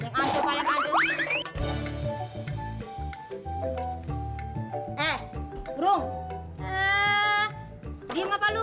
iya diam apa lu